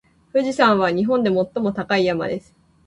富士山は日本で最も高い山です。